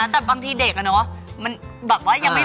แต่บางทีเด็กเนอะมันยังไม่รู้ทำตัวอย่างไร